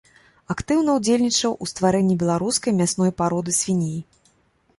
Актыўна ўдзельнічаў у стварэнні беларускай мясной пароды свіней.